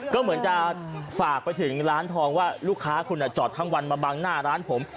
ก็เหมือนจะฝากไปถึงร้านทองว่าลูกค้าคุณจอดทั้งวันมาบังหน้าร้านผม